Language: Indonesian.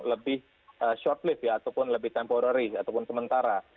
lebih short lived ataupun lebih temporary ataupun sementara